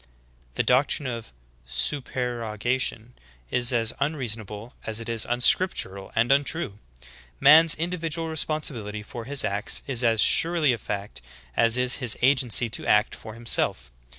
"* i 15. The doctrine of supererogation is as unreasonable as it is unscriptural and untrue. Man's individual respon sibility for his acts is as surely a fact as is his agency to act for himself.